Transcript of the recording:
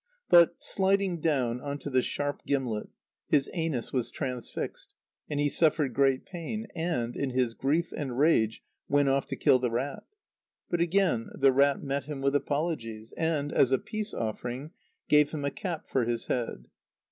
But, sliding down on to the sharp gimlet, his anus was transfixed, and he suffered great pain, and, in his grief and rage, went off to kill the rat. But again the rat met him with apologies, and, as a peace offering, gave him a cap for his head.